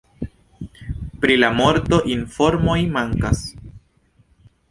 Pri la morto informoj mankas.